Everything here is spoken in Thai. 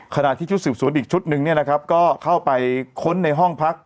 ขณะที่ชุดสืบสวนอีกชุดหนึ่งก็เข้าไปค้นในห้องพัก